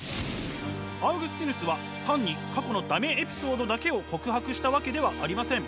アウグスティヌスは単に過去の駄目エピソードだけを告白したわけではありません。